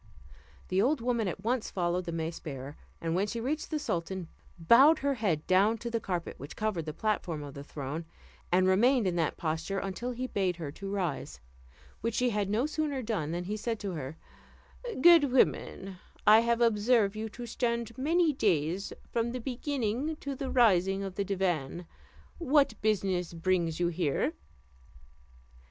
The old woman at once followed the mace bearer, and when she reached the sultan bowed her head down to the carpet which covered the platform of the throne, and remained in that posture until he bade her rise, which she had no sooner done, than he said to her, "Good woman, I have observed you to stand many days from the beginning to the rising of the divan; what business brings you here?"